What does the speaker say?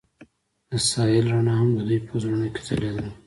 د ساحل رڼا هم د دوی په زړونو کې ځلېده.